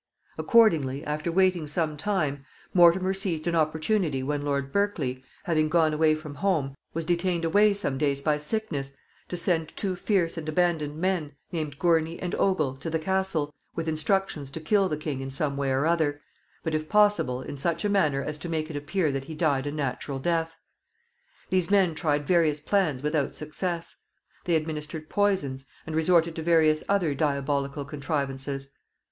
Accordingly, after waiting some time, Mortimer seized an opportunity when Lord Berkeley, having gone away from home, was detained away some days by sickness, to send two fierce and abandoned men, named Gourney and Ogle, to the castle, with instructions to kill the king in some way or other, but, if possible, in such a manner as to make it appear that he died a natural death. These men tried various plans without success. They administered poisons, and resorted to various other diabolical contrivances.